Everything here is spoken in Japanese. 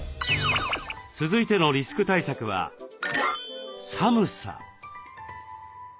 続いてのリスク対策は「寒さ」。